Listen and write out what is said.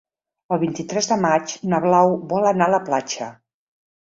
El vint-i-tres de maig na Blau vol anar a la platja.